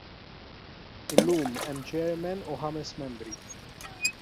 Illum hemm Chairman u ħames membri.